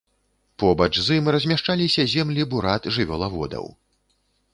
Побач з ім размяшчаліся зямлі бурат-жывёлаводаў.